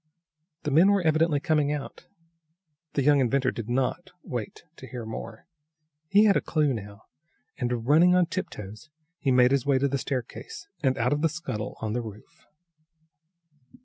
The men were evidently coming out. The young inventor did not wait to hear more. He had a clue now, and, running on tiptoes, he made his way to the staircase and out of the scuttle on the roof.